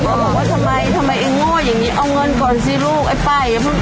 แล้วก็บอกว่าทำไมทำไมไอ้โง่อย่างงี้เอาเงินก่อนสิลูกไอ้ป้าย